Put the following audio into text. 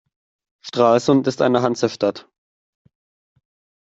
Stralsund ist eine Hansestadt.